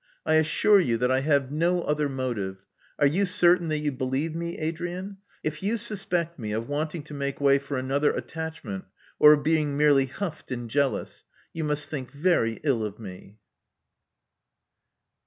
I assure you that I have no other motive. Are you certain that you believe me, Adrian? If you suspect me of want ing to make way for another attachment, or of being merely huffed and jealous, you must think very ill of me.